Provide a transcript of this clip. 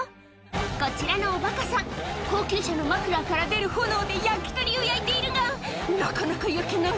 こちらのおばかさん、高級車のマフラーから出る炎で焼き鳥を焼いているが、なかなか焼けない。